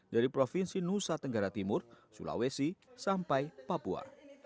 dari provinsi nusa tenggara timur sulawesi sampai papua